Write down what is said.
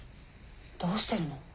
どうしてるの？